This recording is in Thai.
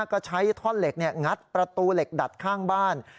ก็ใช้ท่อนเหล็กงัดประตูเหล็กดัดข้างบ้าน